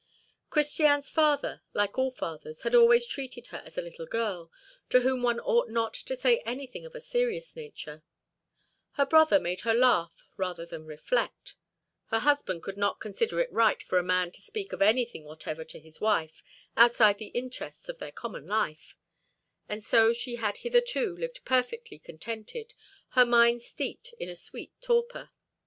Christiane's father, like all fathers, had always treated her as a little girl, to whom one ought not to say anything of a serious nature; her brother made her laugh rather than reflect; her husband did not consider it right for a man to speak of anything whatever to his wife outside the interests of their common life; and so she had hitherto lived perfectly contented, her mind steeped in a sweet torpor.